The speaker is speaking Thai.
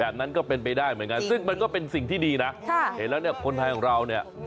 นั้นก็เป็นไปได้เหมือนกันซึ่งมันก็เป็นสิ่งที่ดีนะเห็นแล้วเนี่ยคนไทยของเราเนี่ย